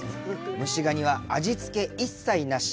蒸しガニは味付け一切なし。